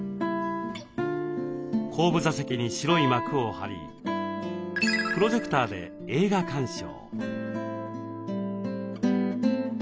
後部座席に白い幕を張りプロジェクターで映画鑑賞。